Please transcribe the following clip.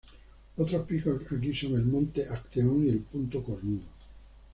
Otros picos aquí son el monte Acteón y el Punto Cornudo.